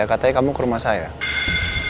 kita boleh selalu recognize mbak andin